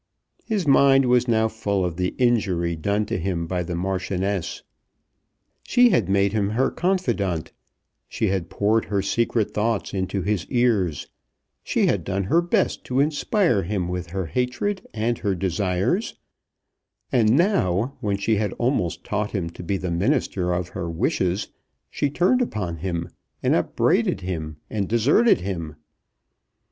His mind was now full of the injury done to him by the Marchioness. She had made him her confidant; she had poured her secret thoughts into his ears; she had done her best to inspire him with her hatred and her desires; and now, when she had almost taught him to be the minister of her wishes, she turned upon him, and upbraided him and deserted him!